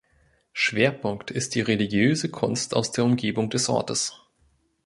Schwerpunkt ist die religiöse Kunst aus der Umgebung des Ortes.